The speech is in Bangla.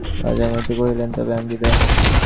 রাজা মৃদুস্বরে কহিলেন, তবে আমি বিদায় হই।